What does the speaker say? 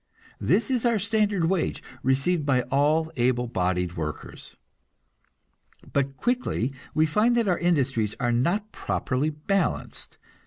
This is our standard wage, received by all able bodied workers. But quickly we find that our industries are not properly balanced.